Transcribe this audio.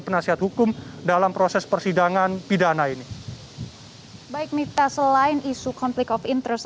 penasihat hukum dalam proses persidangan pidana ini baik mita selain isu konflik of interest